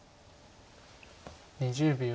２０秒。